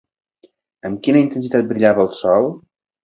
Amb quina intensitat brillava el sol?